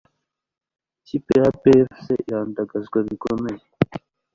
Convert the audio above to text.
ikipe ya APR FC irandagazwa bikomeye